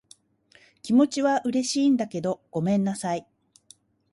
気持ちは嬉しいんだけど、ごめんなさい。